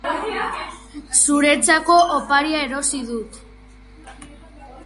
Zuretzako oparia erosi dut.